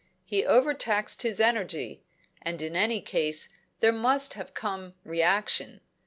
He overtaxed his energy, and in any case there must have come reaction.